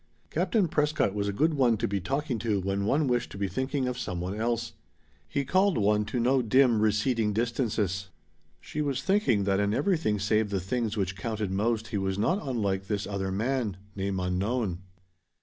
Captain Prescott was a good one to be talking to when one wished to be thinking of some one else. He called one to no dim, receding distances. She was thinking that in everything save the things which counted most he was not unlike this other man name unknown.